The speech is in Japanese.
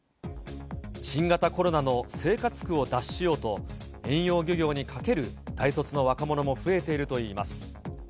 新型コロナの生活苦を脱しようと、遠洋漁業にかける大卒の若者も増えているといいます。